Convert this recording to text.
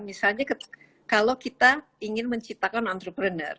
misalnya kalau kita ingin menciptakan entrepreneur